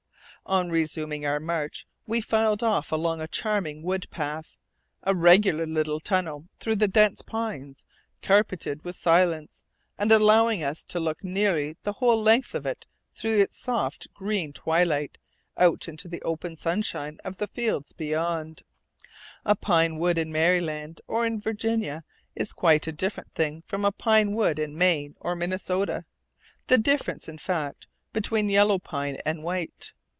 On resuming our march, we filed off along a charming wood path, a regular little tunnel through the dense pines, carpeted with silence, and allowing us to look nearly the whole length of it through its soft green twilight out into the open sunshine of the fields beyond. A pine wood in Maryland or in Virginia is quite a different thing from a pine wood in Maine or Minnesota, the difference, in fact, between yellow pine and white.